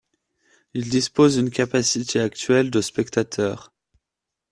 Il dispose d'une capacité actuelle de spectateurs.